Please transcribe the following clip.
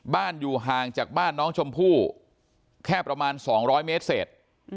อยู่ห่างจากบ้านน้องชมพู่แค่ประมาณ๒๐๐เมตรเศษ